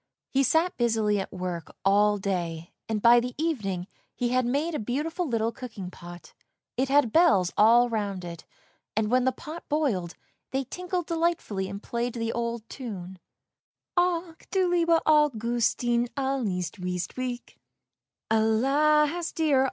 He sat busily at work all day, and by the evening he had made a beautiful little cooking pot ; it had bells all round it, and when the pot boiled they tinkled delightfully and played the old tune: " Ach du lieber Augustin, Alles ist weg, weg, weg!